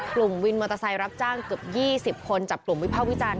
วินมอเตอร์ไซค์รับจ้างเกือบ๒๐คนจับกลุ่มวิภาควิจารณ